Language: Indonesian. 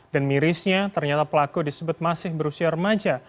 dan mirisnya ternyata pelaku disebut masih berusia remaja